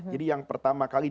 jadi yang pertama kali